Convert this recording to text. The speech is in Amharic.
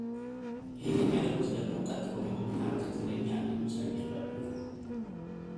ይህን የሚያደርጉት ደግሞ ቀጥሎ ምግብ እና መጠጥ እንደሚያገኙ ስለሚረዱ ነው።